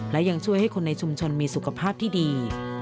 และยังช่วยให้คนในชุมชนมีสุขภาพที่ดี